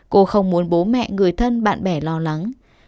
cô không muốn bố mẹ người thân bạn bè lo lắng